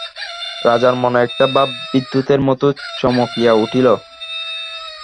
রাজার মনে একটা ভাব বিদ্যুতের মতো চমকিয়া উঠিল।